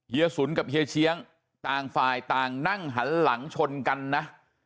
สุนกับเฮียเชียงต่างฝ่ายต่างนั่งหันหลังชนกันนะ